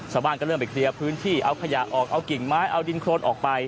ชาวบ้านก็เริ่มไปเคลียร์พื้นที่เอาขยะออกเอากิ่งไม้เอาดินโครนออกไป